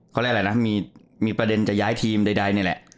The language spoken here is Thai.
เขาเรียกอะไรนะมีประเด็นจะย้ายทีมใดนี่แหละ